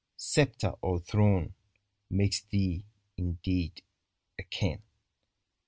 Sceptre or throne, makes thee, indeed, a King !